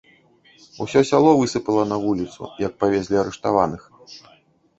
Усё сяло высыпала на вуліцу, як павезлі арыштаваных.